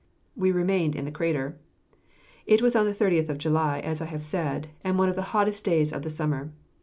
We remained in the crater. It was on the 30th of July, as I have said, and one of the hottest days of the summer.